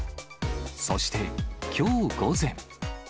そして、きょう午前。